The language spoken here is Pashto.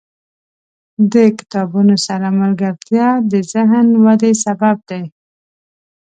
• د کتابونو سره ملګرتیا، د ذهن ودې سبب دی.